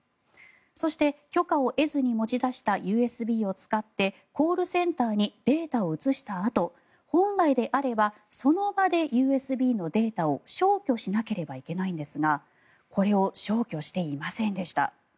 そして、許可を得ずに持ち出したＵＳＢを使ってコールセンターにデータを移したあと本来であればその場でＵＳＢのデータを消去しなければいけないんですがこれを消去していませんでした。